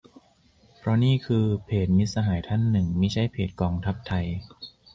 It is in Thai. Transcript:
เพราะนี่คือเพจมิตรสหายท่านหนึ่งมิใช่เพจกองทัพไทย